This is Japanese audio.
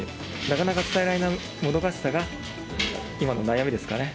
なかなか伝えられないもどかしさが今の悩みですかね。